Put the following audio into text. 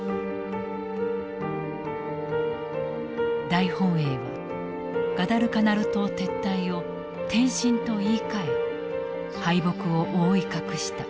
大本営はガダルカナル島撤退を転進と言いかえ敗北を覆い隠した。